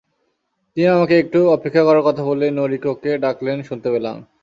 তিনি আমাকে একটু অপেক্ষা করার কথা বলে নোরিকোকে ডাকলেন শুনতে পেলাম।